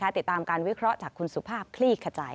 ติดตามการวิเคราะห์จากคุณสุภาพคลี่ขจาย